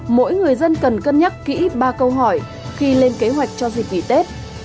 mỗi người dân cần cân nhắc kỹ ba câu hỏi khi lên kế hoạch cho dịp nghỉ tết